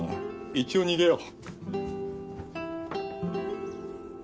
一応逃げよう。